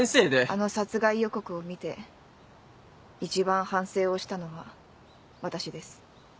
あの殺害予告を見て一番反省をしたのは私です。